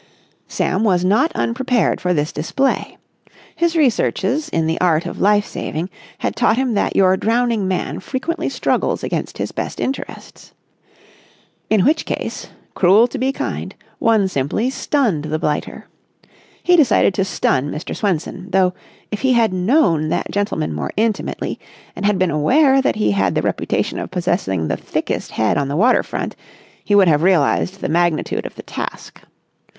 Sam was not unprepared for this display. His researches in the art of life saving had taught him that your drowning man frequently struggles against his best interests. In which case, cruel to be kind, one simply stunned the blighter. He decided to stun Mr. Swenson, though, if he had known that gentleman more intimately and had been aware that he had the reputation of possessing the thickest head on the water front, he would have realised the magnitude of the task.